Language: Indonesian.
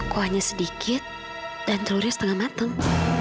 kuahnya sedikit dan telurnya setengah mateng